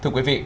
thưa quý vị